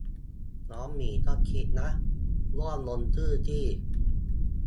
น้องหมีก็คิดนะ ร่วมลงชื่อที่